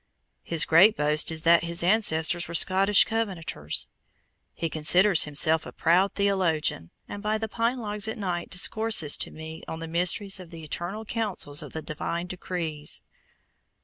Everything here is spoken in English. His great boast is that his ancestors were Scottish Covenanters. He considers himself a profound theologian, and by the pine logs at night discourses to me on the mysteries of the eternal counsels and the divine decrees.